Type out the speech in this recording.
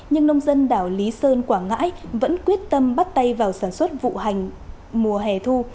nhưng nông dân đảo lý sơn quảng ngãi vẫn quyết tâm bắt tay vào sản xuất vụ mùa hè thu